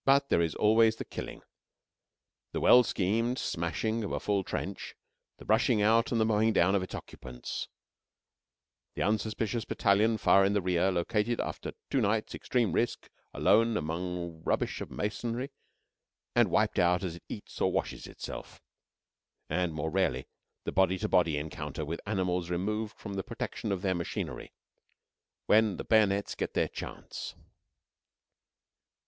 But there is always the killing the well schemed smashing of a full trench, the rushing out and the mowing down of its occupants; the unsuspicious battalion far in the rear, located after two nights' extreme risk alone among rubbish of masonry, and wiped out as it eats or washes itself; and, more rarely, the body to body encounter with animals removed from the protection of their machinery, when the bayonets get their chance.